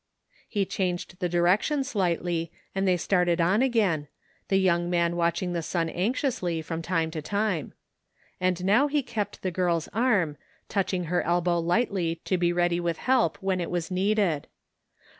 He changed the direction slightly and they started on again, the young man watching the sim anxiously from time to time. And now he kept the girl's arm, touching her elbow lightly to be ready with help when it was needed.